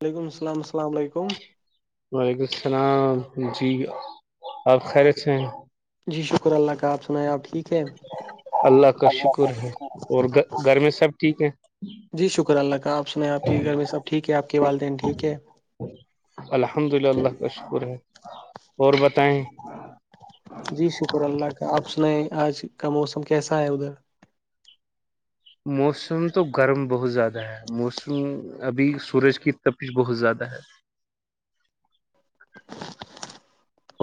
علیکم السلام علیکم لیکم السلام علیکم وعلیکم السلام جی آپ خیرے تھ ہیں جی شکر اللہ کا آپ سنا آپ ٹھیک ہے اللہ کا شکر ہے اور گ گھر میں سب ٹھیک ہے جی شکر اللہ کا آپ سنیں آپ کے گھر میں سب ٹھیک ہے آپ کے والدین ٹھیک ہے الحمد للہ کا شکر ہے اور بتائیں جی شکر اللہ کا آپ سنیں آج کا موسم کیسا ہے ادھر موسم تو گرم بہت زیادہ ہے موسم ابھی سورج کی تفیش بہت زیادہ ہے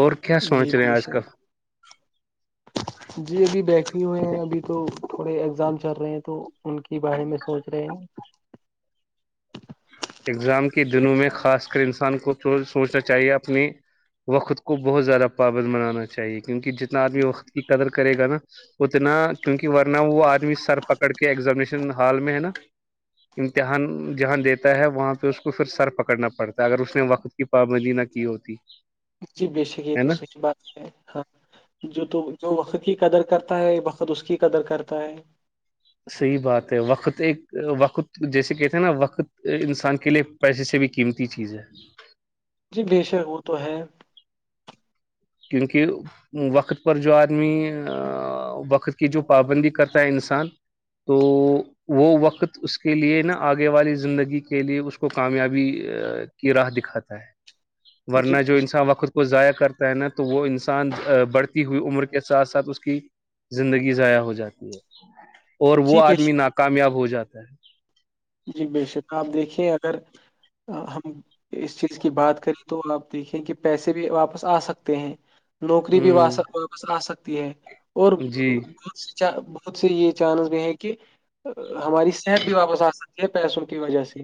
اور کیا جی سوچ رہے ہیں بی آج سر کل جی ابھی بیٹھے ہوئے ہیں ابھی تو تھوڑے ایگزام چل رہے ہیں تو ان کے بارے میں سوچ رہے ہیں اگزام کی دنوں میں خاص کر انسان کو سوچنا چاہیے اپنی وخود کو بہت زیادہ پابند بنانا چاہیے کیونک ج آدمی وقت کی قدر کرے گا نا اتنا کیونکہ ورنہ وہ آ سر پکڑ کے ایگزامینشن ہال میں ہے نا امتحان جہاں دیتے تا ہے وہاں پہ اس کو پھر سر پکڑنا پڑتا ہے اگر اس نے وقت کی پابندی نہ کی ہوتی بے شک یہ ہے تو نا س ب ہاں جو تو جو وقت کی قدر کرتا ہے وقت اس کی قدر کرتا ہے صحیح بات ہے وقت ایک وقت جیسے کہتے ہیں نا وقت انسان کے لیے پیسے سے بھی قیمتی چیز ہے جی بےشک وہ تو ہے کیونکہ [unintelligible] وقت پر جو آدمی وقت کی جو پابندی کرتا ہے انسان تو وہ وقت اس کے لیے نہا آگے والی زندگی کے لیے اس کو کامیابی کی راہ دکھاتا ہے [unintelligible] [inaudible] [inaudible] ورنہ جو انسان وقت کو ضائع کر نا تو وہ انسان بڑھتی ہوئی عمر کے ساتھ ساتھ اس کی زندگی ضائع ہو جاتی ہے اور جی وہ بے آدمی شک ناکامیاب ہو جاتا ہے جی بے شکر آپ دیکھیے اگر ہم اس چیز کی بات کریں تو آپ دیکھیں کہ پیسے بھی واپس آ سکتے ہیں نوکری بھیا ہ واپس آ سکتی ہے اور جی بہت سے یہ چانس بھی ہے کہ ہماری صحت بھی واپس آ س ہے پیسوں کی وجہ سے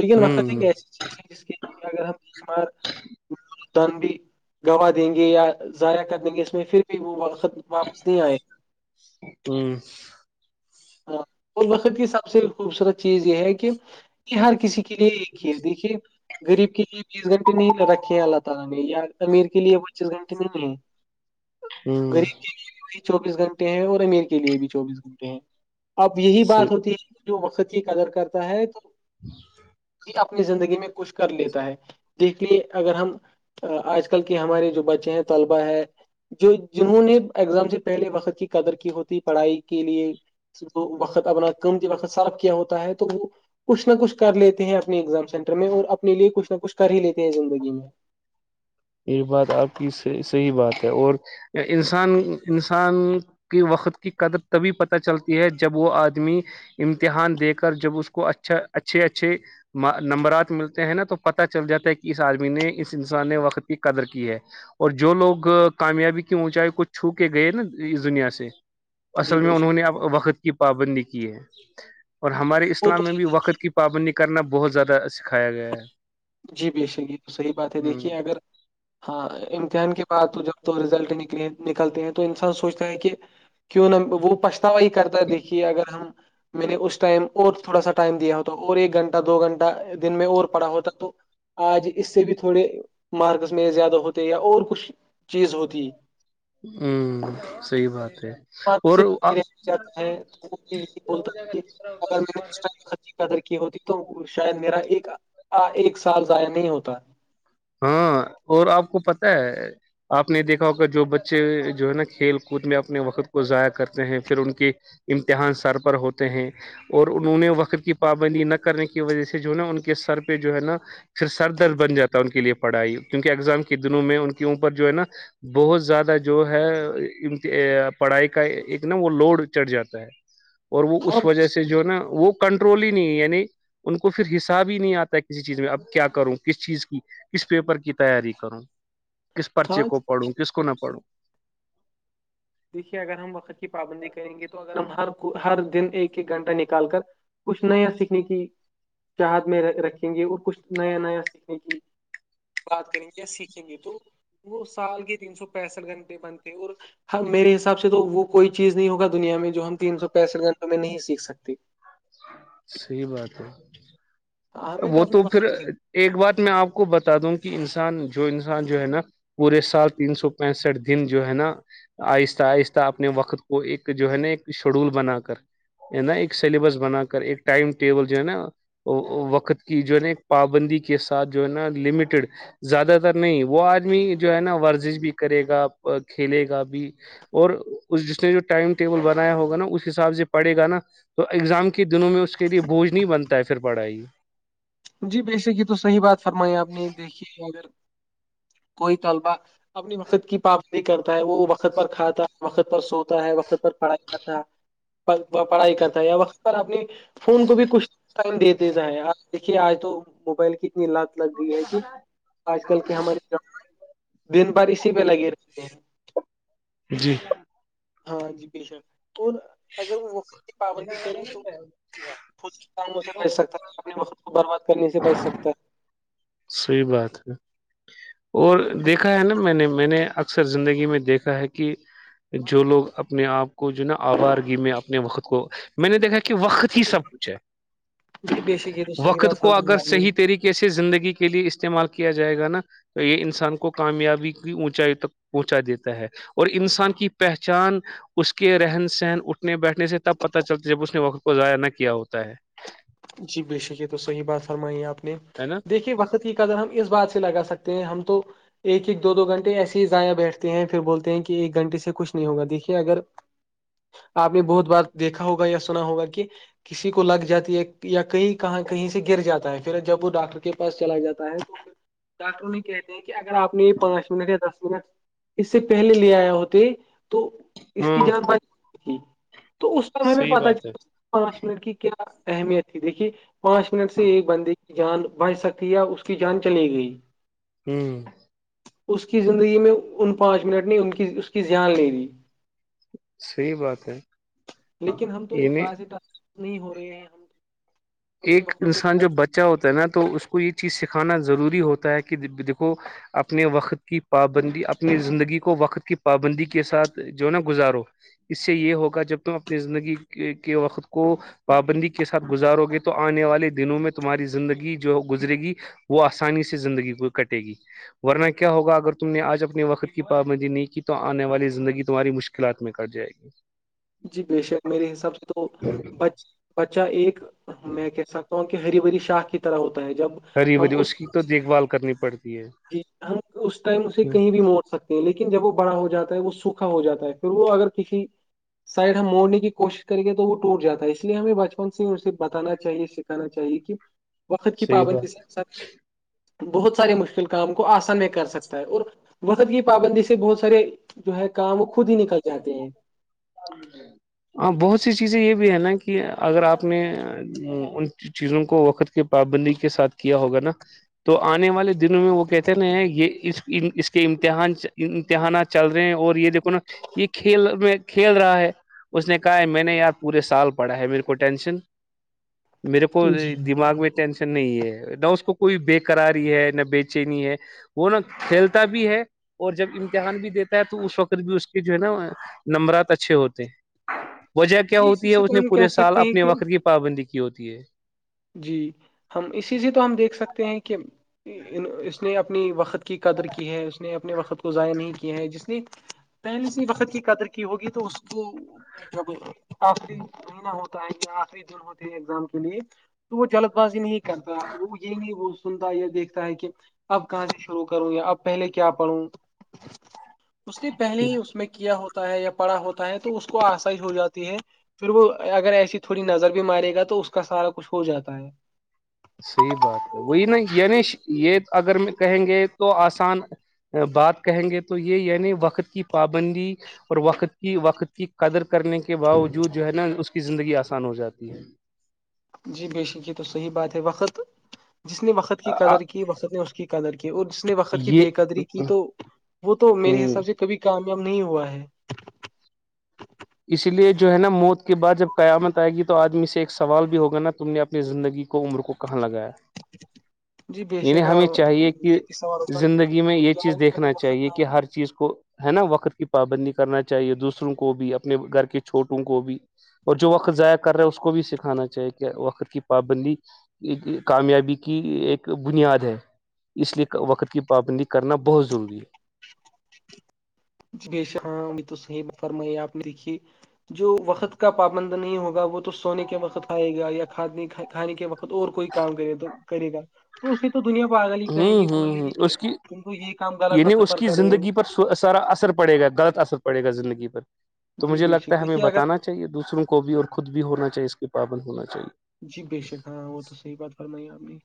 لیکن وقت ہ ایک ایسی چیز ہے جس کے لی اگر ہمار تان بھی گواہ دیں گے یا ضائع کر دیں گے اس میں پھر بھی وہ خ واپس نہیں آئے گ ہوں ہاں اس وقت کی سب سے خوبصورت چیز یہ ہے کہ ہر کسی کے لیے ایک ہی ہے دیکھیے غریب کے لیے بیس گھنٹے نہیں رکھے ہیں اللہ تعالی نے یا امیر کے لیے پچیس گھنٹے نہیں ہیں ہ غریب کے لیے بھی چوبیس گھنٹے ہیں اور امیر کے لیے بھی چوبیس گھنٹے ہیں اب یہی ہ بات ہوتی ہے کہ جو وقتی قدر کرتا ہے تو ہ [inaudible] اپنی زندگی میں کچھ کر لیتا ہے دیکھ لیے اگر ہم آج کل کی ہمارے جو بچے ہیں طلبہ ہے جو جنہوں نے ایگزام سے پہلے وقت کی قدر کی ہوتی پڑھائی کے لیے وقت اپنا قمتی وقت صاف کیا ہوتا ہے تو وہ کچھ نہ کچھ کر لیتے ہیں اپنے ایگزام سینٹر میں اور اپنے لیے کچھ نہ کچھ کر ہی لیتے ہیں زندگی میں یہ بات آپ کی صحیح بات ہے اور انسان انسان کی وقت کی قدر تبھی پتہ چلتی ہے جب وہ آدمی امتحان دے کر جب اس کو اچھا اچھے اچھے نمبرات ملتے ہیں نا تو پتاہ چل جاتا ہے کہ اس آدمی نے اس انسان وقت قدر کی ہے اور جو لوگ کامیابی کیوں اونچائی کوچ چھو کے گئے نا اس دنیا سے جی اصل میں بے انہوں شک نے اب وقت کی پابندی کی ہے اور ہمارے وہ تو اسلام میں بھی وقت کی پابند کرنا بہت زیادہ سکھایا گیا ہے جی بیشنگی تو صحیح بات ہے ہ دیکھیے اگر ہاں امتحان کے بعد تو جب تو رزلٹ نکل نکلتے ہیں تو انسان سوچتا ہے کہ کیوں نہ وہ پچھتاوا ہی کرتا ہے دیکھیے اگر ہم میں نے اس ٹائم اور تھوڑا سا ٹائم دیا ہوتا اور ایک گھنٹہ دو گھنٹہ دن میں اور پڑا ہوتا تو آج اس سے بھی تھوڑے مارکس میں زیادہ ہوتے یا اور کچھ چیز ہوتی ہوں صحی بات ہے مارکس اور سے کوئی رہ جاتا ہے تو وہ یہی بتا تھا کہ ا قدر کی ہوتی تو شاید میرا ایک ایک سال ضائع نہیں ہوتا ہاں اور آپ کو پت ہے آپ نے دیکھا ہوگا جو بچے جو ہے نا کھیل کود میں اپنے وقت کو ضائع کرتے ہیں پھر ان کی امتحان سر پر ہوتے ہیں اور انہوں نے وقت کی پابندی نہ کرنے کی وجہ سے جو ہے نا ان کے سر پہ جو ہے نا پھر سر درد بن جاتا ہے ان کے لیے پڑھائی کیونکہ اگزام کے دنوں میں ان کے اوپر جو ہے نا بہت زیادہ جو ہے پڑھائی کا ایک نا وہ لوڈ چڑھ جاتا ہے اور وہ ہاں اس وجہ سے جو ہے نا وہ کنٹرول ہی نہیں ہے یعنی ان کو پھر حساب ہی نہیں آتا ہے کسی چیز میں اب کیا کروں کس چیز کی کس پیپر کی تیاری کروں کس پرچے ہاں کو پڑھوں کس تو کو نہ پڑھوں دیکھیے اگر ہم وقت کی پابندی کریں گے تو اگر ہم ہر ہر دن ایک ایک گھنٹہ نکال کر کچھ نیا سیکھنے کی چاہت میں رکھیں گے اور کچھ نیا نیا سیکھنے کی بات کریں گے یا سیکھیں گے تو وہ سال کے تین سو پینسٹھ گھنٹے بندتے ہیں اور ہم میرے حساب سے تو وہ کوئی چیز نہیں ہوگا دنیا میں جو ہم تین سو پینسٹھ گھنٹوں میں نہیں سیکھ سکتے صحی بات ہے ہمیں وہ اپنے تو پھر وقت کی ایک بات میں آپ کو بتا دوں کہ انسان جو انسان جو ہے نا پورے سال تین سو پینسٹھ دن جو ہے نا آہستہ آہستہ اپنے وقت کو ایک جو ہے نا ایک شیڈول بنا کر نا ایک سلیبس بنا کر ایک ٹائم ٹیبل جو ہے نا وقت کی جو ہے نا ایک پابندی کے ساتھ جو ہے نا لمیٹڈ زیادہ تر نہیں وہ آدمی جو ہے نا ورزش بھی کرے گا کھیلے گا بھی اور جس نے جو ٹائم ٹیبل بنایا ہوگا نا اس حساب سے پڑے گا نا تو ایگزام کے دنوں میں اس کے لیے بوج نہیں بنتا ہے پھر پڑھائی جی بےسک یہ تو صحیح بات فرمائی آپ نے دیکھی اگر کوئی طلبہ اپنی وقت کی پابندی کرتا ہے وہ وقت پر کھاتا ہے وقت پر سوتا ہے وقت پر پڑھائی کرتا ہے پڑھائی کرتا ہے یا وقت پر اپنی فون کو بھی کچھ ٹائم دے دیتا ہے دیکھیے آج تو موبائل کی اتنی لات لگ گئی ہے کہ آج کل کے ہمارےانے دن بھر اسی پہ لگے رہتے ہیں جی ہاں جی بے شک اور اگر وہ وقت کی پابندی کرے تو خود کاموں سے بچ سکتا ہے اپنے وقت کو برباد کرنے سے بچ سکتا ہے صحیح بات ہے اور دیکھا ہے نا میں نے میں نے اکثر زندگی میں دیکھا ہے کہ جو لوگ اپنے آپ کو جو نا آبادگی میں اپنے وقت کو میں نے دیکھا کہ وقت ہی سب کچھ ہے ہے جی بے شک یہ تو صحیح وقت بات کو فرمائی اگر آپ نے صحیح طریقے کیسے زندگی کے لیے استعمال کیا جائے گا نا یہ انسان کو کامیابی کی اونچائی تک پہنچا دیتا ہے اور انسان کی پہچان اس کے رہن سہن اٹھنے بیٹھنے سے تب پتا چلتا جب اس نے وقت کو ضائع نہ کیا ہوتا ہے جی بال شکریہ تو صحیح بات فرمائی ہے آپ نے ہے نا دیکھیے وقط کادگر ہم اس بات سے لگا سکتے ہیں ہم تو ایک ایک دو گھنٹے ایسے ہی ضائع بیٹھتے ہیں پھر بولتے ہیں کہ ایک گھنٹے سے کچھ نہیں ہوگا دیکھیے اگر آپ نے بہت بار دیکھا ہوگا یا سنا ہوگا کہ کسی کو لگ جاتات یہ یا کہیں کہاں کہیں سے گر جاتا ہے پھر جب وہ ڈاکٹر کے پاس چلا جاتا ہے تو ڈاکٹروں نے کہتے ہیں کہ اگر آپ نے یہ پانچ منٹ یا دس منٹ اس سے پہلے لے آیا ہوتے تو اس کی ہاں جان باری تھی تو اس وم ہمیں صحیح پت بات ہے چلا پانچ منٹ کی کیا اہمیت ت دیکھیے پانچ منٹ سے ایک بندے کی جان بچ سکتی یا اس کی جان چلی گئی ہوں اس کی زندگی میں ان پانچ منٹ نے ان کی اس کی زھیان نہیں دی صحیح بات ہے لیکن ہم تو ا یہ نے بار سے ت نہیں ہو رہے ہیں ہم اپنے ایک وقت کو انسان ضائع جو بچہ ہوتا ہے نا تو اس کو یہ چیز سکھانا ضروری ہوتا ہے کہ دیکھو اپنے وقت کی پابندی اپنی زندگی کو وقت کی پابندی کے ساتھ جو ہے نا گزارو اس سے یہ ہوگا جب تم اپنی زندگی کے وقت کو پابندی کے ساتھ گزارو گے تو تو آنے والے دنوں میں تمہاری زندگی جو گزرے گی وہ آسانی سے زندگی کو کٹے گی ورنہ کیا ہوا اگر تم نے آج اپنے وقت کی پابندی نہیں کی تو آنے والی زندگی تمہاری مشکل کلاات میں کٹ جائے گی جی بے شک میرے حساب سے تو بچہ ایک میں کہ سا ہری بھری شاخ کی طرح ہوتا ہے جب ہری بھج اس کی تو دیکھ بھال کرنی پڑتی ہے جی ہم اس ٹائم اسے کہیں بھی موڑ سکتے ہیں لیکن جب وہ بڑا ہو جاتا ہے وہ سوکھا ہو جاتا ہے پھر وہ اگر کسی سائڈ ہم موڑنے کی کوشش کریں گے تو وہ ٹوٹ جاتا ہے اس لیے ہمیں بچپن سے ہی اسے بتانا چاہے کہنا چاہیے کہ وقت کی صحیح بات پابندی سے ساتھ بہت سارے مشکل کام کو آسان میں کر سکتا ہے اور وست کی پابندی سے بہت سارے جو ہے کام وہ خود ہی نکل جاتے ہیں جاں ج ہاں بہت سی چیزیں یہ بھی ہے نا کہ اگر آپ نے چیزوں کو وقت کی پابندی کے ساتھ کیا ہوگا نا تو آنے والے دنوں میں وہ کہتے نا یہ اس کے امتحان امتحانات چل رہے ہیں اور یہ دیکھو نا یہ کھیل میں کھیل رہا ہے اس نے کہا ہے میں نے یار پورے سال پڑھا ہے میرے کو ٹینشن میرے کو جی دماغ میں ٹینشن نہیں ہے نہ اس کو کوئی بےیکراری ہے نہ بے چینی ہے وہ نا کھیلتا بھی ہے اور جب امتحان بھی دیتا ہے تو اس وقت بھی اس کہ جو ہے نا نمبرات اچھے ہوتے ہیں وجہ کیا جی ہوتی ہے سے اس تو نے ہم کہہ پورے سال سکتے ہیں اپنے کہ وقت کی پابندی کی ہوتی ہے جی ہم اسی سے تو ہم دیکھ سکتے ہیں کہ ان اس نے اپنی وقت کی قدر کی ہے اس نے اپنے وقت کو ضائع نہیں کیا ہے جس نے پہل س ہی وقت کی قدر کی ہوگی تو اس کو جب آخری مہینہ ہوتا ہے کہ آخری جون ہوتی ہے ایگزام کے لیے تو وہ جلد بازی نہیں کرتا وہ یہ نہیں وہ سنتا دیکھتا ہے کہ اب کہاں سے شرو کروں یا اب پہلے کیا پڑھوں اس نے پہلے ہی اس میں کیا ہوتا ہے یا پڑھا ہوتا ہے تو اس کو آسائی ہو جاتی ہے پھر وہ اگر ایسی تھوڑی نظر بھی مارے گا تو اس کا سارا کچھ ہو جاتا ہے صحیح بات ہے وہی نا ینیش یہ اگر کہیں گے تو آسان بات کہیں گے تو یہ یعنی وقت کی پابندی اور وقت کی وقت کی قدر کرنے کے باوجود جو ہے نا اس کی زندگی آسان ہو جاتی ہے جی بے شک یہ تو صحی بات ہے وقت جس نے وقت کی ہے قدر کی وقت نے اس کی قدر کی اور جس نے وقت کی یہ بے قدری کی تو ہ وہ تو میرے حساب سے کبھی کامیاب نہیں ہوا ہے اسی لیے جو ہے نا موت کے بعد جب قیامت آئے گی تو آدمی سے ایک سوال بھی ہوگا نا تم نے اپنی زندگی کو عمر کو کہاں لگا ہے [inaudible] یعنی شک ہمیں چاہیے کہ یہ سوال ہوگا کہ زندگی میں یہ چیز جوانی کا جو دیکھنا وقت چاہیے تھا کہ ہر چیز کو ہے نا وقت کی پابندی کرنا چاہیے دوسروں کو بھی اپنے گھر کے چھوٹوں کو بھی اور جو وقت ضائع کر رہا ہے اس کو بھی سکھانا چاہیے کہ وقت کی پابندی کامیابی کی ایک بنیاد ہے اس لیے وقت کی پابندی کرنا بہت ضروری ہے جیش ہاں ابھی تو صحیح فرمائی آپ نے دیکھی جو وقت کا پابند نہیں ہوگا وہ تو سونے کے وقتھائے گا یا کھاد نہیں کھائے کھانے کے وقت اور کوئی کام کرے تو کرے گا تو اسے تو دنیا پ آگل ہی کہیں ہوں گی بولے ہوں گی ہ کہ اس کی تم کو یہ کام غلط یعنی وقت اس پر کی کر رہے ہو زندگی پر سارا اثر پڑے گا غلط اثر پڑے گا زندگی پر تو جی مجھے بے لگتا شک ہے ہمیں دیکھیے اگر بتانا چاہیے دوسروں کو بھی اور خود بھی ہونا چاہیے اس کے پابند ہونا چاہیے جی بے شک ہاں وہ تو صحیح بات فرمائی آپ نے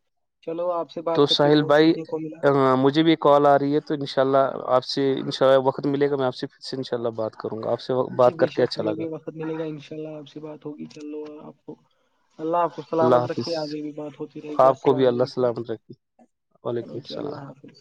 چلو آپ سے تو بات کر کے ساحل بہت بھائی سیکھنے کو ملا مجھے بھی ایک کال آ رہی ہے تو انشاء اللہ آپ سے ان شاء اللہ وقت ملے گا میں آپ سے پھر سے انشاء اللہ بات کروں گا آپ سے جی بات بے کر کے شک اچھا ہمیں لگا بھی وقت ملے گا ان شاء اللہ آپ سے بات ہوگی چلو آپ کو اللہ آپ کو سلامت اللہ حافظ رکھی آگے بھی بات ہوتی رہے گی آپ کو السلام بھی اللہ علیکم سلامت رکھے رو وعلیکم جی السلام اللہ حافظ